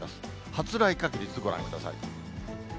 発雷確率ご覧ください。